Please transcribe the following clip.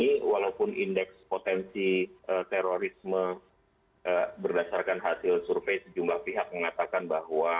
kita bisa mengatakan bahwa potensi terorisme berdasarkan hasil survei sejumlah pihak mengatakan bahwa